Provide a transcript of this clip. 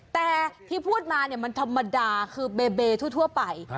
แต่ที่พูดมาเนี่ยมันธรรมดาคือเบเบทั่วไป